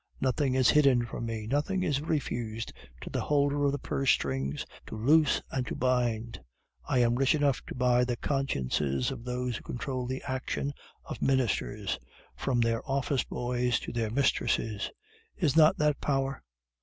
Nothing is hidden from me. Nothing is refused to the holder of the purse strings to loose and to bind. I am rich enough to buy the consciences of those who control the action of ministers, from their office boys to their mistresses. Is not that power?